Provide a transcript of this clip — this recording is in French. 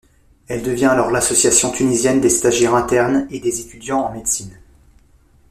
Elle devient alors l'Association tunisienne des stagiaires internes et des étudiants en médecine.